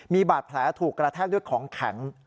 มีบาดแผลถูกกระแทกด้วยของแข็ง